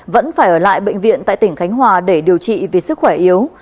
vẫn phải ở lại bệnh viện tại tỉnh khánh hòa để điều trị vì sức khỏe yếu